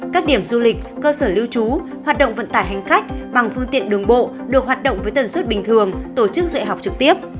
các điểm du lịch cơ sở lưu trú hoạt động vận tải hành khách bằng phương tiện đường bộ được hoạt động với tần suất bình thường tổ chức dạy học trực tiếp